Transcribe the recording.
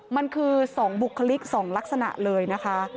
มันคือ๒บุคลิก๒ลักษณะเลยนะคะ